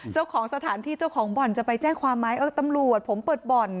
เจ้าของสถานที่เจ้าของบ่อนจะไปแจ้งความไหมเออตำรวจผมเปิดบ่อน